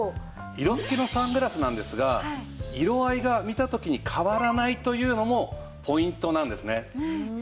色付きのサングラスなんですが色合いが見た時に変わらないというのもポイントなんですね。